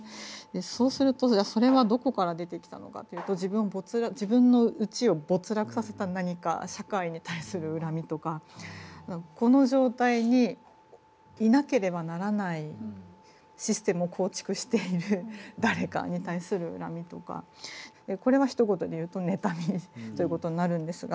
そうするとそれはどこから出てきたのかというと自分のうちを没落させた何か社会に対する恨みとかこの状態にいなければならないシステムを構築している誰かに対する恨みとかこれはひと言で言うと妬みという事になるんですが。